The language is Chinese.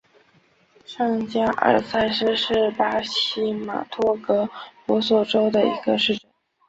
上加尔萨斯是巴西马托格罗索州的一个市镇。